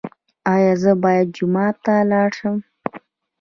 ایا زه باید جومات ته لاړ شم؟